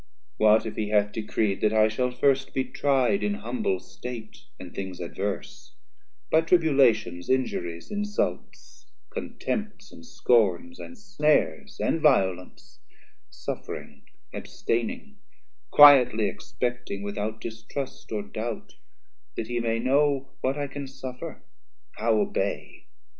What if he hath decreed that I shall first Be try'd in humble state, and things adverse, By tribulations, injuries, insults, 190 Contempts, and scorns, and snares, and violence, Suffering, abstaining, quietly expecting Without distrust or doubt, that he may know What I can suffer, how obey?